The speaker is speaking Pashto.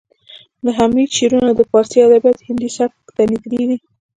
د حمید شعرونه د پارسي ادب هندي سبک ته نږدې دي